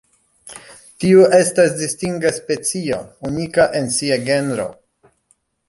Tiu estas distinga specio, unika en sia genro.